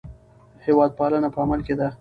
هېوادپالنه په عمل کې ده.